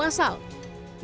atau produk masal